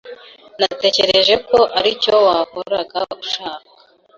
Natekereje ko aricyo wahoraga ushaka.